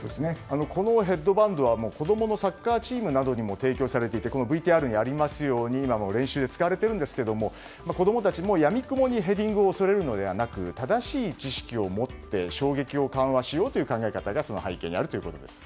このヘッドバンドは子供のサッカーチームなどにも提供されていてＶＴＲにありますように今も練習で使われていますが子供たちもやみくもにヘディングを恐れるのではなく正しい知識を持って衝撃を緩和しようという考え方がその背景にあるということです。